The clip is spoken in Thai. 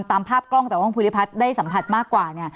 ตามภาพกล้องแต่ว่าคุณภูริพัฒน์ได้สัมผัสมากกว่า